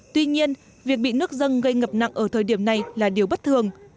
tuy nhiên việc bị nước dân gây ngập nặng ở thời điểm này là điều bất thường